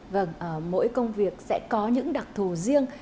vâng mỗi công việc sẽ có những đặc thù riêng